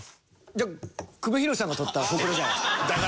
じゃあ久米宏さんが取ったホクロじゃないですか？